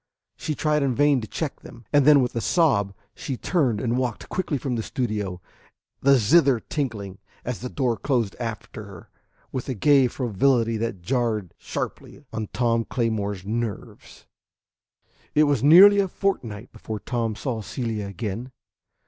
She tried in vain to check them, and then with a sob she turned and walked quickly from the studio, the zither tinkling, as the door closed after her, with a gay frivolity that jarred sharply on Tom Claymore's nerves. V It was nearly a fortnight before Tom saw Celia again.